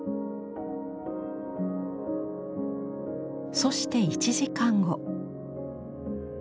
そして１時間後。